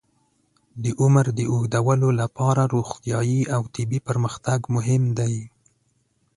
د عمر د اوږدولو لپاره روغتیايي او طبي پرمختګ مهم دی.